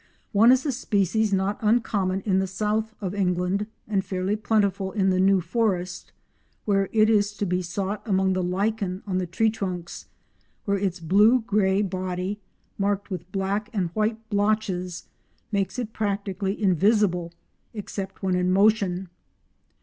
One is a species not uncommon in the south of England, and fairly plentiful in the New Forest, where it is to be sought among the lichen on the tree trunks, where its blue grey body, marked with black and white blotches makes it practically invisible except when in motion.